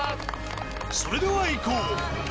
それではいこう。